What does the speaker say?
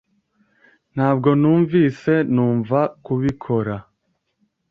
Ntabwo numvise numva kubikora.